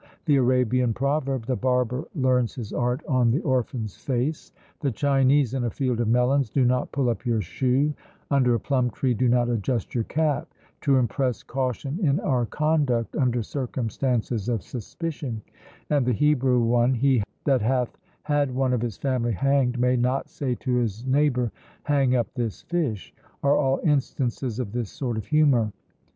The Arabian proverb, "The barber learns his art on the orphan's face;" the Chinese, "In a field of melons do not pull up your shoe; under a plum tree do not adjust your cap;" to impress caution in our conduct under circumstances of suspicion; and the Hebrew one, "He that hath had one of his family hanged may not say to his neighbour, hang up this fish!" are all instances of this sort of humour.